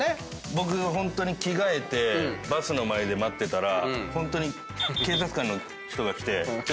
僕着替えてバスの前で待ってたらホントに警察官の人が来て。